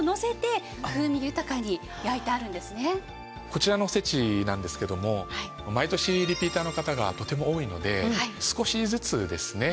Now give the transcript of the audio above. こちらのおせちなんですけども毎年リピーターの方がとても多いので少しずつですね